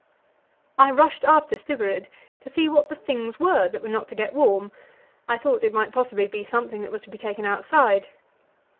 I rushed after Stubberud to see what the things were that were not to get warm; I thought it might possibly be something that was to be taken outside.